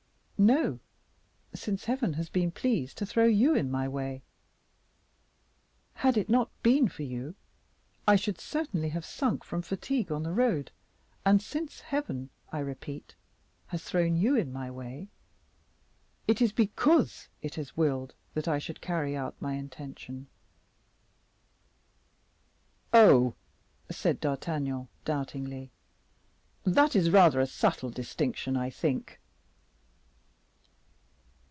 "No, since Heaven has been pleased to throw you in my way. Had it not been for you, I should certainly have sunk from fatigue on the road, and since Heaven, I repeat, has thrown you in my way, it is because it has willed that I should carry out my intention." "Oh!" said D'Artagnan, doubtingly, "that is a rather subtle distinction, I think."